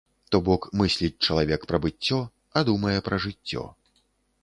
То бок мысліць чалавек пра быццё, а думае пра жыццё.